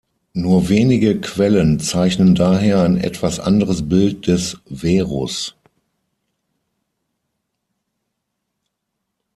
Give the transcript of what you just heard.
Nur wenige Quellen zeichnen daher ein etwas anderes Bild des Verus.